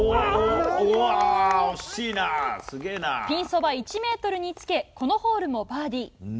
ピンそば１ｍにつけこのホールもバーディー。